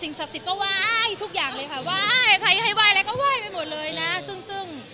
สิ่งศักดิ์สิทธิ์ก็ว่ายทุกอย่างเลยค่ะว่ายใครให้ว่ายอะไรก็ว่ายไปหมดเลยนะซึ่ง